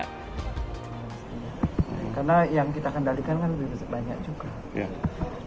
karena yang kita kendalikan kan lebih banyak juga